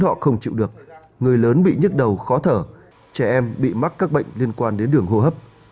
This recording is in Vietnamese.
họ không chịu được người lớn bị nhức đầu khó thở trẻ em bị mắc các bệnh liên quan đến bệnh